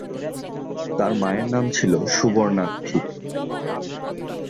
তার মায়ের নাম ছিল সুবর্ণাক্ষী।